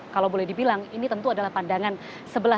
kalau boleh dibilang ini tentu adalah pandangan sebelah